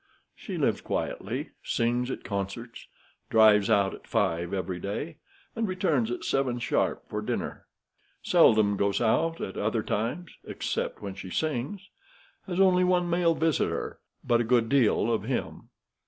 She lives quietly, sings at concerts, drives out at five every day, and returns at seven sharp for dinner. Seldom goes out at other times, except when she sings. Has only one male visitor, but a good deal of him.